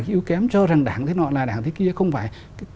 cái ưu kém cho rằng đảng thế nọ là đảng thế kia không phải